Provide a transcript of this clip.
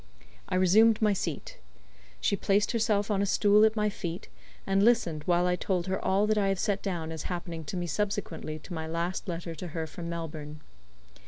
I resumed my seat. She placed herself on a stool at my feet, and listened while I told her all that I have set down as happening to me subsequently to my last letter to her from Melbourne.